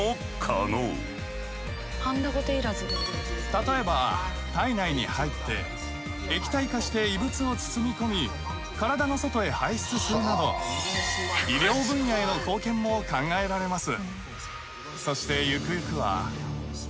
例えば体内に入って液体化して異物を包み込み体の外へ排出するなど医療分野への貢献も考えられます。